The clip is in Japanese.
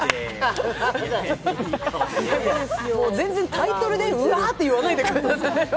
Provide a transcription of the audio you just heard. タイトルでうわっと言わないでください。